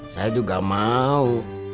saya juga mau